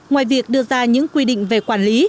ngoài việc đưa ra những quy định về quản lý